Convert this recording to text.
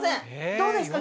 どうですか？